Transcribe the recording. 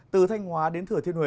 từ thanh hóa đến thừa thiên huế